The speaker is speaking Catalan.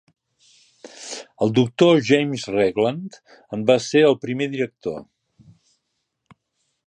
El doctor James Regland en va ser el primer director.